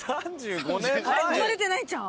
生まれてないんちゃう？